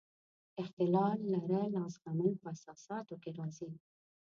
اختلاف لرل او زغمل په اساساتو کې راځي.